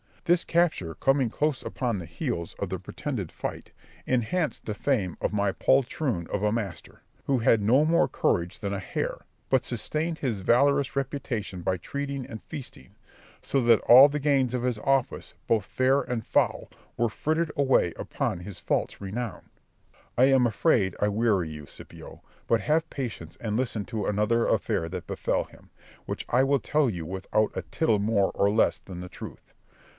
This capture, coming close upon the heels of the pretended fight, enhanced the fame of my poltroon of a master, who had no more courage than a hare, but sustained his valorous reputation by treating and feasting; so that all the gains of his office, both fair and foul, were frittered away upon his false renown. I am afraid I weary you, Scipio, but have patience and listen to another affair that befel him, which I will tell you without a tittle more or less than the truth.